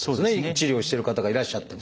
治療してる方がいらっしゃっても。